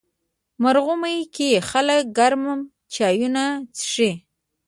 مرغومی کې خلک ګرم چایونه څښي.